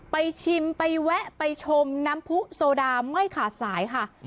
ชิมไปแวะไปชมน้ำผู้โซดาไม่ขาดสายค่ะ